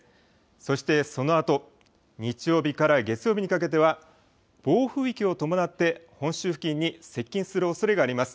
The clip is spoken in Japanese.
そしてそのあと、日曜日から月曜日にかけては、暴風域を伴って本州付近に接近するおそれがあります。